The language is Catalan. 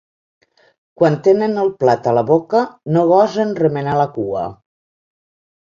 Quan tenen el plat a la boca no gosen remenar la cua